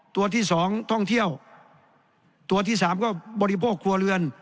ตัวที่สองท่องเที่ยวตัวที่สามก็บริโภคครัวเรือน